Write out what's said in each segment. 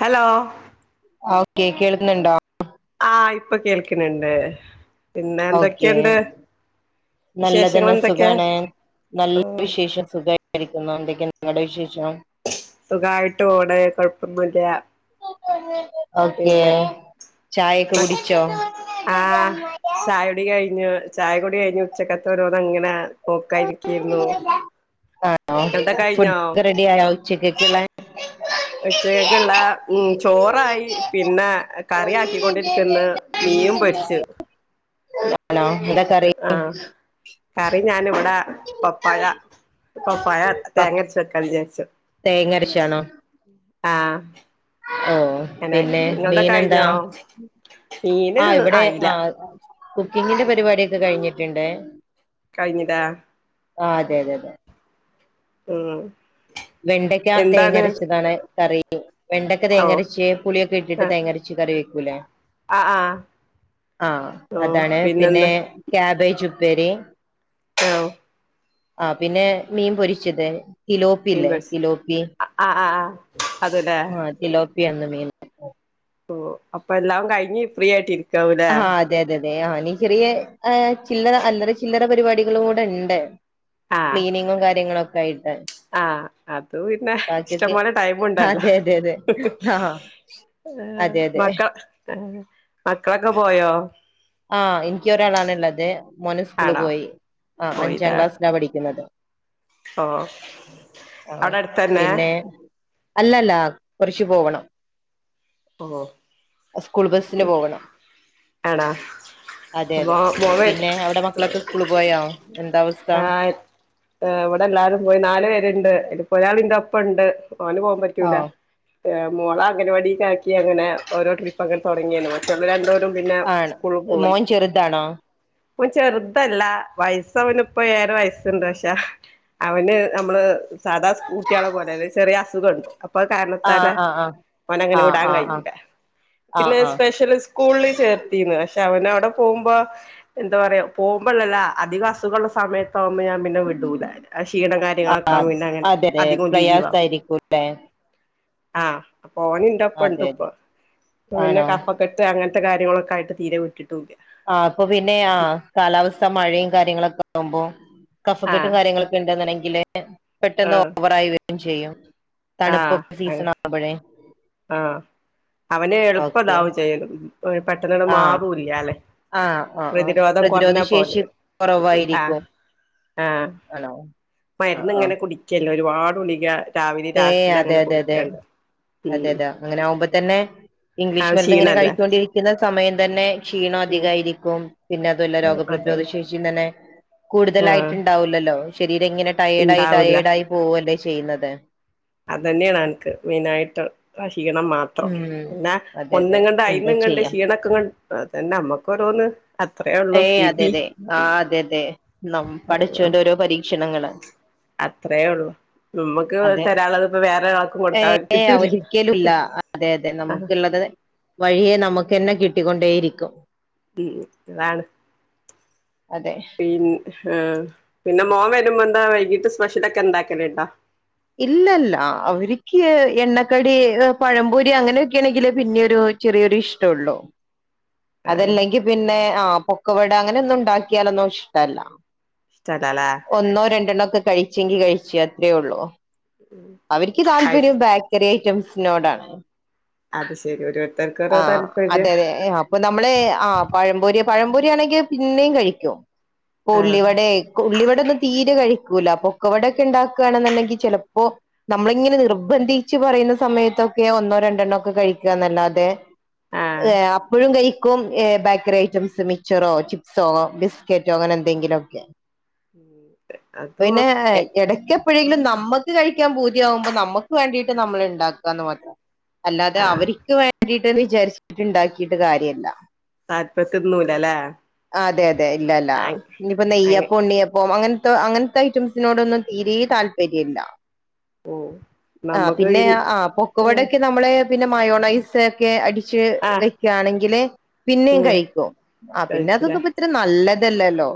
Hello okay കേൾക്ക്ന്ന്ണ്ടോ? ആ ഇപ്പൊ കേൾകിണിണ്ട് പിന്നെ ഓക്കെ ന്തൊക്കെണ്ട്? നല്ലതന്നെ സുഖാണ് നല്ല ഓ വിശേഷം സുഖയിരിക്കുന്നു എന്തൊക്കെങ്ങടെ വിശേഷം സുഖായിട്ട് പോണ് കൊഴ്പ്പൊന്നുല്ല ഓക്കെ ഛായെക്കെ കുടിച്ചോ? ആ ഛായുടി കഴിഞ്ഞു ഛായ കുടി കഴിഞ്ഞു ഉച്ചക്കത്തോരോന്ന് ങ്ങനെ നോക്കായിരിക്യെരുന്നു ങ്ങൾടെ കഴിഞ്ഞോ? റെഡിയായോ ഉച്ചക്കെക്ക്ള്ളെ? ഉച്ചക്കെക്ക്ള്ള ഉം ചോറായി പിന്നെ കറിയാക്കിക്കൊണ്ടിര്ക്ക്ന്ന് മീനും പൊരിച്ച് [unintelligible] ആ കറി ഞാന്വ്ടെ പപ്പായ പപ്പായ തേങ്ങര്ച്ച് വെക്കാന്ന് വിചാര്ച്ചു തേങ്ങരക്കാണോ? ആ ഓ അങ്ങനെ പിന്നെ നിങ്ങളടെ മീനെന്താ? കഴിഞ്ഞോ മീന് ആ ഇവടെ ആയില്ല ആ കുക്കിങ്ങിന്റെ പരിപാടി ഒക്കെ കഴിഞ്ഞിട്ട്ണ്ടെ കഴിഞ്ഞ് ടാ ആ അതെതെതെ ഉം വെണ്ടയ്ക്ക എന്താണ് തേങ്ങരച്ചതാണ് കറി വെണ്ടക്ക ഓ തേങ്ങരച്ച് പുളിയൊക്കെ ഇട്ടിട്ട് തേങ്ങരച്ച് കറി വെക്കൂലേ? അ ആ ആ ഓ അതാണ് പിന്നെ പിന്നെന്താ ക്യാബേജ് ഉപ്പേരി [unintelligible] ആ പിന്നെ മീൻ പൊരിച്ചത് തിലോപ്പില്ലേ തിലോപ്പി അ അ ആ അത് ലേ തിലോപ്പി ഇന്ന് മീൻ ഓ ഓ അപ്പൊ എല്ലാം കഴിഞ്ഞ് ഫ്രീ ആയിട്ടിരി ആ അതെതെതെ ആ നീ ചെറിയ ഏ ചില്ലറ അല്ലറ ചില്ലറ പരിപാടികളും കൂടെണ്ട് ആ ക്ലീനിങ്ങും കാര്യങ്ങളൊക്കെ ആയിട്ട് ആ അത് പിന്നെ ബാക്കിയൊക്കെ ഇഷ്ടംപോലെ ടൈമുണ്ടല്ലോ. അതെ അതെ അതെ ആഹ് അതെ അതെ മക്കള മക്കളൊക്കെ പോയോ? ആ ഇൻക്കി ഒരാളാണുള്ളത് മോന് സ്കൂള് ആണോ പോയി ആ അഞ്ചാം പോയില്ലേ ക്ലാസ്സിലാ പഠിക്ക്‌ ണത്. ഓ ആ അവടെ അടുത്തന്നെ? പിന്നെ അല്ലല്ല കൊർച്ച് പോകണം ഓഹ് സ്കൂൾ ബസ്സിന് പോവണം ആണോ അതെ അപ്പൊ അതെ മോൻ പിന്നെ അവിടെ മക്കളൊക്കെ സ്കൂള് പോയാ എന്ത അവസ്ഥ? ആഹ് ഇവിടെ എല്ലാരും പോയി നാല് പേര്ണ്ട് അതിപ്പോ ഒരാളിന്റെറ ഒപ്പംണ്ട് ഓന് പോവാൻ പറ്റൂല ആഹ് മോളെ അംഗൻവാടിലക്കി അങ്ങനെ ഓരോ ട്രിപ്പ് അങ്ങനെ തുടങ്ങിയല്ലോ [unintelligible] രണ്ടോരും പിന്നെ ആണ് സ്കൂള് പോയി മോൻ ചെറുതാണോ പ്പ ചെറുതല്ല വയസ അവന് ഇപ്പ ഏയര വയസ്സുണ്ട് പക്ഷാ അവന് നമ്മള് സാധാ സ്കൂട്ടിയളെ പോലെ ചെറിയ അസുഖണ്ട്. അപ്പൊ ആഹ് ആഹ് കാരണത്താലെ ആഹ് ഓനെ അങ്ങനെ ആഹ് വിടാൻ ആഹ് ആഹ് ആഹ് കയ്യുല പിന്നെ ആഹ് ആഹ് സ്പെഷ്യൽ സ്കൂളിൽ ചേർത്തിണ് പക്ഷെ അവന അവ്ടെ പോകുമ്പോ എന്താ പറയാ പോകുമ്പോഴല്ലാ അധിക അസുഖള്ള സമയത്ത ആവുമ്പോ ഞാൻ പിന്നെ വിടൂല ആഹ് ക്ഷീണം കാര്യങ്ങളൊക്കെ ആഹ് ആവുമ്പോ പിന്നെ അങ്ങനെ അതെതെ അധികം ലീവാവും. പ്രയാസായിരിക്കുംല്ലേ ആഹ് അപ്പോ ഓന് അതെ ഇന്റോപ്പണ്ട്പ്പ അതെ പിന്നെ ആണോ കഫ പെട്ട് അങ്ങനത്തെ കാര്യങ്ങളൊക്കെ ആയിട്ട് തീരെ വിട്ടിട്ടുല്ല ആഹ് അപ്പൊ പിന്നെ അഹ് കാലാവസ്ഥ മഴയും കാര്യങ്ങളൊക്കെ ആവുമ്പോ കഫക്കെട്ടും ആഹ് കാര്യങ്ങളൊക്കെ ണ്ടെങ്കിൽ പെട്ടെന്ന് ആഹ് ഓവറായിവെരും ചെയ്യും തണുപ്പൊക്കെ സീസൺ ആഹ് ആവുമ്പോഴേ ആഹ് അവന ഓക്കെ എളുപ്പതാവും ചെയ്യു പെട്ട്ന്ന് ആഹ് മാറൂല്ല അല്ലെ ആഹ് ആഹ് ആഹ് പ്രതിരോധം പ്രതിരോധ കൊർഞ്ഞാ ശേഷി പോലെ ആഹ് കുറവായിരിക്കും ആഹ് ആണോ ആഹ് മര്ന്ന് ആഹ് ഇങ്ങനെ കുടിക്കല്ലോ ഒരുപാട് കുളിക രാവിലെ ഏഹ് രാത്രിൽ അതെ അങ്ങനെ അതെ അതെ കുടിക്കാണ്ട് അതെ ഉം അതെ അങ്ങനെ ആകുമ്പ തന്നെ ആ ഇംഗ്ലീഷ് മരുന്ന് ഇങ്ങനെ ക്ഷീണല്ലേ കഴിച്ചോണ്ടിരിക്കും ക്കുന്ന സമയം തന്നെ ക്ഷീണം ഉം അധികമായിരിക്കും പിന്നെ അതുമല്ല രോഗപ്രതിരോധ അതാണ് ശേഷിയും തന്നെ ആഹ് കൂടുതലായിട്ട്ണ്ടാവൂലല്ലോ ശരീരം ഇങ്ങനെ ട്ടയേർഡ ആയി ഇണ്ടാവൂല ട്ടയേർഡ ആയി പോകല്ലേ ചെയ്യുന്നത്. അതന്നെയാണ് ആൾക്ക് മെയിനാ ആയിട്ട് ഹശീണം മാത് ടാ ഉം അതെ ഒന്ന് അതെ ങ്ങട്ട് അയിന്ന് എന്താ ങ്ങട്ട് ചെയ്യാം ക്ഷീണക്കങ്ങട് അതന്നെ അമ്മകൊരോന്ന് ഏയ് അതെ അതെ ആ അതെ അതെ നമ് പടച്ചൊണ്ട് ഓരോ പരീക്ഷണങ്ങള് അത്രയേ ഉള്ളൂ നുമ്മുക്ക് അതെ തരാളത് ഇപ്പ വേറെരാൾക്ക് കൊടുക്കാ ഏ കിട്ടൂലല്ലോ? ഒരിക്കലുല്ല അതെ അതെ ആഹ് നമുക്ള്ളത് വഴിയെ നമുക്കന്നെ കിട്ടിക്കൊണ്ടേയിരിക്കും. [unintelligible] അതെ പിൻ ആഹ് പിന്നെ മോൻ വരുമ്പോ എന്താ വൈകീട്ട് സ്പെഷ്യലൊക്കെ എന്താക്കലണ്ടോ? ഇല്ലല്ല അവർക്ക് എണ്ണക്കടി പഴംമ്പൂരി അങ്ങനെയൊക്കൊണെങ്കില് പിന്നെരു ചെറിയൊരു ഇഷ്ടംള്ളോ ആണോ അതല്ലെങ്കി പിന്നെ അഹ് പൊക്കവട അങ്ങനെ ഒന്നും ഉണ്ടാക്കിയാലോന്നോശ്ടല്ല [unintelligible] ഒന്നോ രണ്ടെണ്ണോ ഒക്കെ കഴിച്ചെങ്കിൽ കഴിച്ചേ അത്രേ ഉള്ളൂ അവർക്ക് കഴി താല്പര്യം ബ ചെറിയ ഐറ്റംസിനോടാണ് അത് ശരി ഒരു ആഹ് അതെ അതെ അപ്പൊ നമ്മള് അഹ് പഴപൊരി പഴംപൊരിയാണെങ്കിൽ പിന്നെയും കഴിക്കും പ ആഹ് ഉള്ളിവിടെ ഉള്ളിവവിടൊന്നും തീരെ കഴിക്കൂില്ല പൊക്കെവിടൊക്കെ ഉണ്ടാക്കുകയാണെന്നുണ്ടെങ്കിൽ ചിലപ്പോ നമ്മളിങ്ങനെ നിർബന്ധിച്ച് പറയുന്ന സമയത്തൊക്കെ ഒന്നോ രണ്ടെണ്ണോ ഒക്കെ കഴിക്കുക എന്നല്ലാതെ ആഹ് ഏ അപ്പഴും കൈ ക്കും ബേക്കറി ഐറ്റംസ് മിച്ചറോ ചിപ്സോ ബിസ്ക്കറ്റോ അങ്ങനെ എന്തെങ്കിലും ഒക്കെ അതു പിന്നെ ഇടക്ക എപ്പോഴെങ്കിലും നമുക്ക് കഴിക്കാൻ പൂതിയാവുമ്പോ നമുക്ക് വേണ്ടിട്ട് നമ്മള് ഉണ്ടാക്കുക എന്ന് മാത്രം അല്ലാതെ ആഹ് അവർക്ക് വേണ്ടിട്ട്ന്ന് വിചാരിച്ചിട്ട് ഇണ്ടാക്കിട്ട് കാര്യല്ല താല്പത്തിന്നുല്ല അതെ അതെ ഇല്ലല്ല ഇനിയിപ്പൊ അങ്ങ് നെയ്യപ്പ ഉണ്ണിയപ്പോം അങ്ങനത്തെ അങ്ങ ഐറ്റംസിനോടൊന്നും തീരെേ താല്പര്യയില്ല ഉം ആഹ് നമ്മക്ക് പിന്നെ ഇൻ ആഹ് പൊക്കുവട ഉം ഒക്കെ നമ്മളെ പിന്നെ മയോണൈസ ക്കെ അടിച്ച് ആഹ് വെക്കുകയാണെങ്കില് പിന്നെയും ഉം കഴിക്കും ആഹ് പിന്നെ കഴിക്കൂലേ അതൊന്ന ഇത്ര നല്ലതല്ലല്ലോ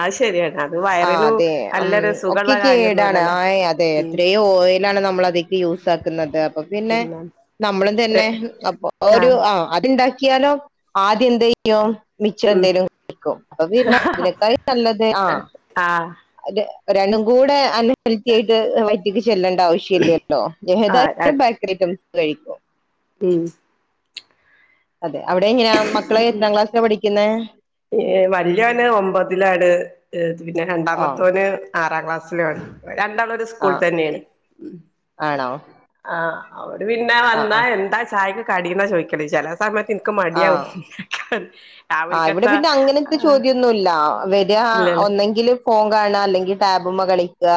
അത് ശരിയാണ് അത് ആഹ് വയറിനു അതെ ഉം നല്ലൊരു ഒക്കെ സുഖള്ള കാര്യൊന്നും കേടാണ് അല്ലല്ലോ ആഹ് അതെ ഉം അത്രെ ഓയിലാണ് നമ്മൾ അതേക്ക് യൂസ് ആക്കുന്നത് അപ്പൊ പിന്നെ നമ്മളും തന്നെ അപ്പൊ ഒരു ആഹ് അത്ണ്ടാക്കിയാലോ ആദ്യം എന്തേ യും മിച്ചം ഉം എന്തേലും ക്കും അപ്പൊ പിന്ന അതിനെക്കായി നല്ലത് ആഹ് ആഹ് അത് രണ്ടും കൂടെ അൺഹെൽത്തി ആയിട്ട് വൈറ്റിക്ക് ചെല്ലേണ്ട ആവശ്യ ശ്യല്ലല്ലോ ആഹ് ഏതായാലും ബേക്കറി ഐറ്റംസ് കഴിക്കും ഉം അതെ അവിടെ എങ്ങനാ മക്കളെ എത്രാം ക്ലാസ്സില പഠിക്കുന്നെ ഏഹ് വലിയന് ഒമ്പതിലാണ് ഏഹ് പിന്നെ ഓ രണ്ടാമത്തോന് ആറാം ക്ലാസ്സിലണ് രണ്ടാളും ഒരു ആ സ്കൂൾ തന്നെയാണ് ആണോ ആഹ് അവര് പിന്നെ ആ ആ വന്നാ എന്താ ചായക്ക് കടീന്നാ ചോദിക്കലേ ചില സമയത്ത് ഇനിക്ക് മടിയവും ആഹ് ആഹ് ഇവിടെ പിന്നെ അങ്ങനത്തെ ചോദ്യം ഒന്നുല്ല വരി ഇല്ലല്ല ഒന്നെങ്കിലും ഫോൺ കാണുക അല്ലെങ്കി ടാബ്മ്മേ കളിക്കുക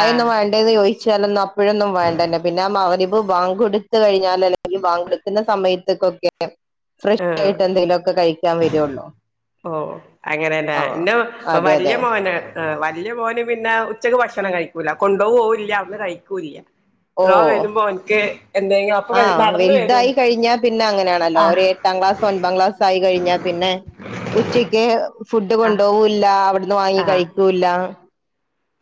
ആ വേണ്ടെന്ന് ചോദിച്ചാലൊന്നും അപ് പ്പോഴൊന്നും വേണ്ടതന്നെ പിന്നെ അവരി വാങ്ക കൊടുത്തു കഴിഞ്ഞാൽ അല്ലെങ്കിൽ വാങ്ക കൊടുക്കുന്ന സമയത്തക്കൊക്കെ ക്കെ ഫ്രഷ് ആ ആയിട്ട് എന്തെങ്കിലും ഒക്കെ കഴി ഓ അങ്ങനെയല്ലാ ആ എന്റെ അതെ വല്യ അതെ മോൻ വല്യ മോന് പിന്നെ ഉച്ചക്ക് ഭക്ഷണം കഴിക്കൂല കൊണ്ടോ പോകൂല്ല അവിടുന്ന് കഴിക്കൂല്ല ഓ ഇവൻ വരുമ്പോ ഓൻക്ക് എന്തെങ്കിലും അപ്പൊ ആഹ് നടന്ന് വരും വലുതായി കഴിഞ്ഞാ പിന്നെ അങ്ങനാണല്ലോ ആ ഓര് പാം ക്ലാസ്സ് ഒൻപാം ക്ലാസ് ആയി കഴിഞ്ഞ പിന്നെ ഉച്ചക്ക് ഫുഡ് ആ കൊണ്ടു പോകൂല്ല അവിടുന്ന് വാങ്ങി ആ കഴിക്കുല്ല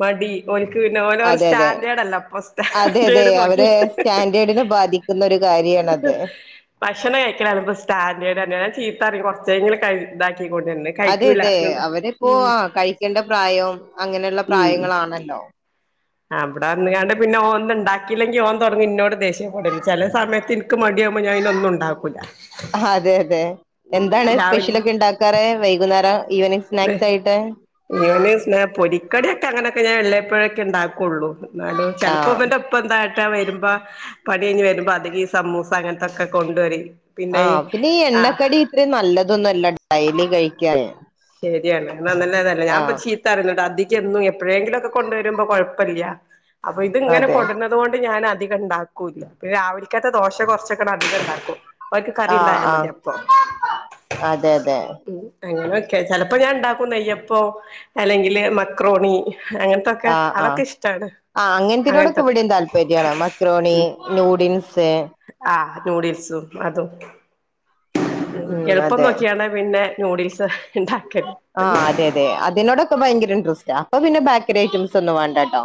മടി ഓന്ക്ക് പിന്നെ ഓരോര അതെ അതെ സ്റ്റാൻഡേർഡ് അല്ല അപ്പൊ അതെ സ്റ്റാൻഡേഡ് നോക്കി ക്കുന്ന ഒരു കാര്യണത് ഭക്ഷണം കഴിക്കലാണ് ഇപ്പൊ സ്റ്റാഡേഡ് തന്നെ ചീത്തറയും കുറച്ചിലും ക ഇതാക്കിക്കുടീന്ന് അതെ അതെ അവരിപ്പോ ആഹ് കഴിക്കേണ്ട പ്രായം അങ്ങനെയുള്ള പ്രായങ്ങളാണല്ലോ അവിട വന്ന് കാണ്ട് പിന്നെ ഓന്ന ഉണ്ടാക്കില്ലെങ്കി ഓൻ തുടങ്ങും ഇന്നോട് ദേഷ്യയപ്പെടല് ചില സമയത്തി ക്കു മടിയവുമ്പോ ഞാ അതിനൊന്നും ഉണ്ടാക്കൂല്ല അതെ അതെ എന്താണ് രാവിലെ സ്പെഷ്യലൊക്കെ ഉണ്ടാക്കാറ് വൈകുന്നേരം ഈവനിങ് സ്നാക്സ് ആയിട്ട് ഇവനിങ് സ്നാക് പൊരിക്കടിയൊക്കെ അങ്ങനെൊക്കെ ഞാൻ എള്ളപ്പോഴൊക്കെ ഉണ്ടാക്കുള്ളൂ എന്നാലും ആ ചിലപ്പോ അവന്റെ ഇപ്പ എന്താക്കാ വരുമ്പോ പണി കഴഞ്ഞ് വരുമ്പോ അതികം ഈ സമൂസ അങ്ങനത്തൊക്കെ കൊണ്ടുവരി ആഹ് പിന്നെ ഈ എണ്ണക്കടി ഇത്രയും നല്ലതൊന്നല്ലോ ഡൈലി കഴിക്കന് ശരിയാണ് എന്ന നല്ലതല്ല ഞാൻ പക്ഷീ തരലട്ട് അധിക്കും എപ്പോഴെങ്കിലും ഒക്കെ കൊണ്ടുവരുമ്പോ കൊഴപ്പല്ല്യ അപ്പൊ ഇത് ഇങ്ങനെ അതെ കൊണ്ടുവ ന്നൊണ്ട് ഞാൻ അധികം ഉണ്ടാക്കൂല പിന്നെ രാവിലകത്ത ദോശ കുറച്ചൊക്കെ അധികം ഉണ്ടാക്കും അവക്ക് ആഹ് കറിണ്ടായാ ആഹ് മതി അപ്പോ. അതെ അതെ ഉം. അങ്ങനെയൊക്കെ. ചെലപ്പോ ഞാൻ ഉണ്ടാക്കും നെയ്യപ്പോ അല്ലെങ്കില് മക്രോണി അങ്ങനെ പ്പൊക്കെ ആഹ് ആഹ് അതൊക്കെ ഇഷ്ടാണ്. ആഹ് അങ്ങൻത്തിനോടൊക്കെ അങ്ങനത്തൊക്കെ ഇവിടിം താല്പര്യാണ്. മക്രോണി നൂഡിൽസ് ആഹ് നൂഡിൽസും അതും. ഉം എളുപ്പം അതെ നോക്കിയാണ് പിന്നെ നൂഡിൽസ് ഇണ്ടാക്കൽ ആഹ് അതെ അതെ. അതിനോടൊക്കെ ഭയങ്കര ഇൻട്രസ്റ്റാ അപ്പ പിന്നെ ബേക്കറി ഐറ്റംസ് ഒന്നും വേണ്ടാട്ടോ.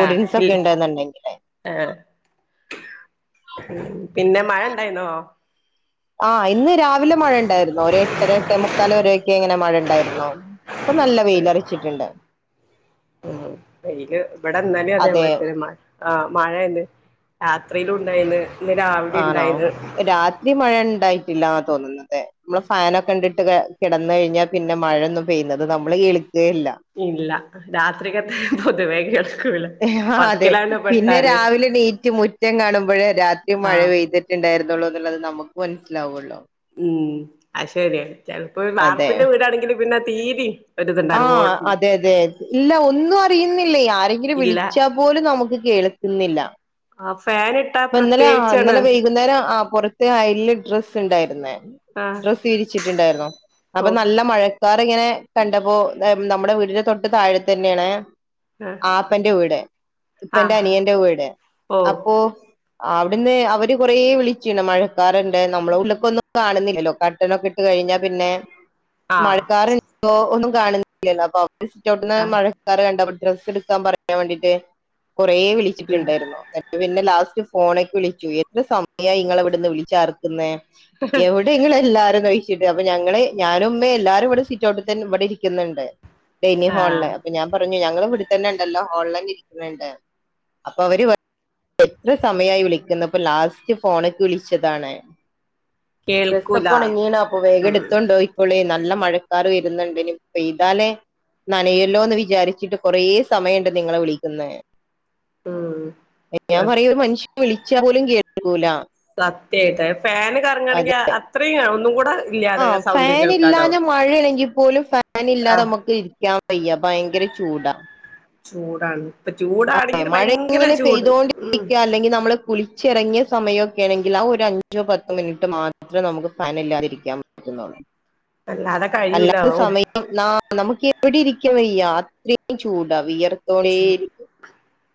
ആഹ് ഒക്കെ ഇട് ഉണ്ടെന്നുണ്ടെങ്കില് ആഹ് പിന്ന മഴണ്ടായിന്നോ ആഹ് ഇന്ന് രാവിലെ മഴണ്ടായിരുന്നോ? ഒര് എട്ടര എട്ടേ മുക്കാല് വരെയൊക്കെ എങ്ങനെ മഴണ്ടായിരുന്നോ? ഇപ്പ നല്ല വെയിലെറിച്ചിട്ടുണ്ട് ഉം വെയില് ഇവിടെന്നലെയും അതെ അതേമാതിരി തന്നെ ആഹ് മഴന്നേ രാത്രിയിലും ഉണ്ടായിന്ന്. ഇന്ന് രാവിലെ ഇണ്ടായിന്ന് ഇടിയും മഴയും ഇണ്ടായിട്ടില്ലാ തോന്നുന്നത് നമ്മള് ഫാനോക്കെ ഇണ്ട്ട്ട് ക കെടന്നഴിഞ്ഞാൽ പിന്നെ മഴോന്നും പെയ്യണത് നമ്മള് കേൾക്കേല്ല. ഇല്ല രാത്രിക്കത്തേ പൊതുവേ [unintelligible] ആഹ് അതെ. വർക്കിലാണ്ട് പിന്നെ പെട്ടാല് രാവിലെ ണീറ്റ് മുറ്റം കാണുമ്പഴാ രാത്രി മഴ ആഹ് പെയ്ത് ട്ട്ണ്ടായിരുന്നുള്ളൂന്ന്ള്ളത് നമുക്ക് മനസ്സിലാവുള്ളൂ. ഉം അത് ശര്യാ. ചെലപ്പോ അതെ. വാർപ്പിന്റെ വീടാണെങ്കിൽ പിന്നെ തീരീം ആഹ് അതെ അതെ. ഇല്ല ഒന്നും അറിയുന്നില്ലേ ആരെങ്കിലും ഇല്ല വിളിച്ചാ പോലും നമുക്ക് കേൾക്കുന്നില്ല ആ ഫാനി പ്പ ഇന്നലെ അഹ് ഇന്നലെ വൈകുന്നേരം ആഹ് പൊറത്ത് അയൽല് ഡ്രസ്സ്ണ്ടായിരുന്ന്. ആഹ് ഡ്രസ്സ് വിരിച്ചിട്ടുണ്ടായിരുന്നു. അപ്പോ ഓ നല്ല മഴ ക്കാറിങ്ങനെ കണ്ടപ്പോ എഹേം നമ്മടെ വീടിന്റെ തൊട്ട് താഴത്തന്നെയാണ് ആഹ് ആപ്പന്റെ വീട്. ഉപ്പന്റെ ആഹ് അനിയന്റെ വീട് ഓ അപ്പോ അവിട്ന്ന് അവര് കൊറേ വിളിച്ചിണ് മഴക്കാറ്ണ്ട് നമ്മള് ഉള്ളിക്കൊന്നും കാണുന്നില്ലല്ലോ. കട്ട് ട്ടനോക്കെ ഇട്ട് കഴിഞ്ഞാ പിന്നെ ആഹ് മഴക്കാറ് ണ്ടോ ഒന്നും കാണുന്നില്ലല്ലോ. അപ്പവര് സിറ്റൗട്ട്ന്ന് ആഹ് മഴ ക്കാറ് കണ്ടപ്പോ ഡ്രസ്സ്ടുക്കാൻ പറയാൻ വേണ്ടിട്ട് കൊറേ ഉം വിളിച്ചിട്ടുണ്ടായിരുന്നു. [unintelligible] പിന്നെ ലാസ്റ്റ് ഫോണേക്ക് വിളിച്ചു. എത്ര സമയായി ഇങ്ങളെ ഇവിട്ന്ന് വിളിച്ചാർക്കുന്നേ? എവിടെ ഇങ്ങളെല്ലാരുംന്നോയി ല് അപ്പ ഞങ്ങള് ഞാനും ഉമ്മേം എല്ലാരും ഇവടെ സിറ്റ് ഔട്ട് തന്നെ ഇവടെ ഇരിക്ക്ന്ന്ണ്ട്. ഡൈനിങ് ആഹ് ഹോളില് അപ്പോ ഞാൻ പറഞ്ഞു ഞങ്ങള് ഇവിടുത്തന്നെണ്ടല്ലോ. ഹോൾലന്നേ ഇരിക്കണ് ണ്ട്. അപ്പോ അവര് പറ സമയായി വിളിക്കുന്നു അപ്പ ലാസ്റ്റ് ഫോണിക്ക് വിളിച്ചതാണ് കേൾക്കൂല ഡ്രസ്സൊക്കെ ഒണങ്ങീനപ്പോ അപ്പോ വേഗം ഉം എടുത്തൊണ്ടോയി പ്പളെ നല്ല മഴക്കാറ് വരുന്ന്ണ്ട് ഇനി പെയ്താലേ നനയല്ലോന്ന് വിചാരിച്ചിട്ട് കൊറെ സമയംണ്ട് നിങ്ങളെ വിളിക്കുന്നേ ഉം ഞാൻ പറയും ഒരു മനുഷ്യൻ വിളിച്ചാ പോലും കേക്കൂല. സത്യായിട്ട് ഫാന് കറങ്ങയാണെങ്കി അത്രയും ഒന്നുംകൂടെ ആഹ് ഫാനില്ലാഞ്ഞ മഴേണെങ്കിൽ പോലും ഫാനില്ലാതെ ആഹ് നമുക്ക് ഇരിക്കാം. വയ്യ ഭയങ്കര ചൂടാ ചൂടാണ് ഇപ്പൊ അതെ ചൂടാണെങ്കിൽ മഴ ഭയങ്കര ഒക്കെങ്ങനെ ചൂട് ഉം പെയ്തോണ്ടിരിക്ക അല്ലെങ്കി നമ്മള് കുളിച്ചിറങ്ങിയ സമയയൊക്കെ ആണെങ്കിൽ ആ ഒരു അഞ്ചോ പത്തോ മിനിറ്റ് മാത്ര നമുക്ക് ഫാനില്ലാതിരിക്കാൻ പറ്റുന്നുള്ളൂ അല്ലാതെ [inaudible] കഴിയൂല അല്ലാത്ത സമയ് യം ന നമുക്കെവിടെ ഇരിക്കാൻ വയ്യ അത്രേം ചൂടാ വിയർ ചു,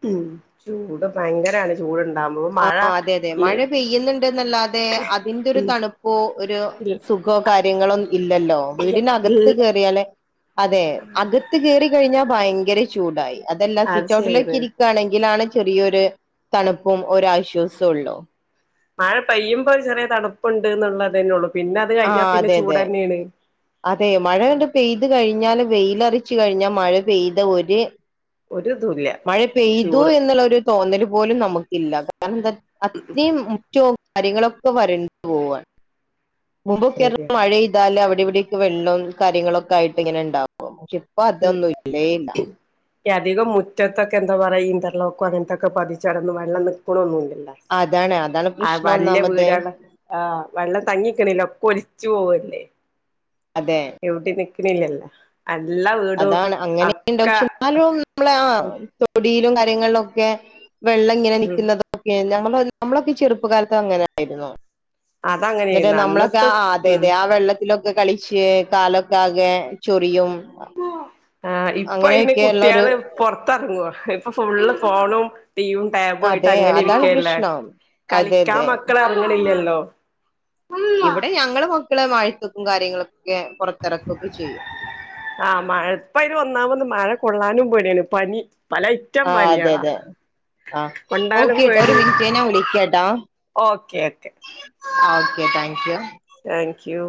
ഹ്മ്മ് ചൂടോ ആഹ് അതെ അതെ ഈ മഴ പെയ്യ്ന്ന്ണ്ട്ന്നല്ലാതെ അതിന്റെ ഒര് തണു പ്പോ ഒര് സു ഖോ കാര്യങ്ങളും ഇല്ലല്ലോ വീടിനകത്ത് കയറിയാലെ, അതെ അത് അകത്ത് കയറി കഴിഞ്ഞാൽ ഭയങ്കര ചൂടായി അതല്ലാ അത് സിറ്റൗട്ടിലേക്ക് ശരിയാണ് ഇരിക്കാണെങ്കിലാണ് ചെറിയൊര് തണുപ്പും ഒരാശ്വാസൊള്ളൂ മഴ പെയ്യുമ്പോൾ ഒര് ചെറിയ തണുപ്പുണ്ട് ഇന്ന ഇതന്നൊള്ളൂ ആഹ് അതെ അതെ, അതെ ആഹ് മഴങ്ങട്ട് പെയ് ത് കഴിഞ്ഞാല് വെയിലറിച്ച് കഴിഞ്ഞാ മഴ പെയ്ത ഒര് ഒരുതുല്ലാ. മഴ പെയ്തു എന്നുള്ളൊരു തോന്നല് പോലും നമുക്കില്ല കാരണം എന്താ അത്രിമ് മുറ്റോ കാര്യങ്ങളൊക്കെ വരണ്ട് പോവാണ് മുമ്പൊക്കെ പറഞ്ഞാ ശരിയാണ് മഴെയ്താല് അവിടെവിടൊക്കെ വെള്ളം കാര്യങ്ങളൊക്കെ ആയിട്ട് ഇങ്ങനെ ഇണ്ടാവും പക്ഷെ ഇപ്പതൊന്നും ഇല്ലേ ഇല്ല. അധികം മുറ്റത്തൊക്കെ എന്താ പറയാ ഇന്റാർലോക്കോ അങ്ങൻത്തൊക്കെ പതിച്ചാട്ന്ന് വെള്ളം നിക്ക്ണൊന്നും ഇല്ലല്ലാ അതാണ് അതാണ് പ്രശ്നം ഒന്നാമത്തെ ആഹ് വെള്ളം തങ്ങിക്ക്ണ്ല്ല ഒക്കെ ഒലിച്ചു പോവല്ലെ അതെ ഒവിടിം നിക്ക്ണില്ലല്ലോ എല്ലാ വീടും അക്കെ ഇന്നാലും നമ്മളെ ആഹ് തൊടിലും കാര്യങ്ങളിലൊക്കെ വെള്ളം ഇങ്ങനെ ഉം നിൽക്കുന്നതോ ഒക്കെ ഞമ്മളൊ ഞമ്മളൊക്കെ ചെറുപ്പ കാലത്ത് അങ്ങനെ ആയിരുന്നോ എന്നിട്ട് അതങ്ങനെയായിരുന്നു നമ്മളൊക്കെ അന്നത്തെ ആഹ് അതെ ഉം അതെ ആ വെള്ളത്തിലൊ ക്കെ കളിച്ച് കാലൊക്കെ ആകെ ചൊറിയും ആഹ് ഇപ്പയിന് അങ്ങനെയൊക്കെയുള്ള ഒരു കുട്ടിയാള് പൊറത്തെറങ്ങോ ഇപ്പ ഫുള്ള് ഫോണും ടീവും ടാബു ആയിട്ട് അതെ അങ്ങനെ അതാണ് ഇരിക്കല്ലേ പ്രശ്നം അതെ കളിക്കാൻ അതെ മക്കള് എറങ്ങ്ണില്ലല്ലോ ഇവടെ ഞങ്ങള് മക്കള് മഴയെത്തും കാര്യങ്ങളൊക്കെ പൊറത്തിറക്കൊക്കെ ചെയ്യും ആഹ് മഴ ഇപ്പയ്ന് ഒന്നാമത് മഴ കൊള്ളാനും പേടിയാണ് പനി പല ഐറ്റം പനിയളാ ആഹ് ഓക്കെ ഒര് മിന്റ്റെ ഞാൻ വിളിക്കാട്ടോ okay okay okay thank you. Thank you.